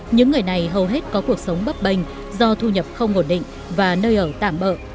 những người này hầu hết có cuộc sống bấp bềnh do thu nhập không ổn định và nơi ở tạm bỡ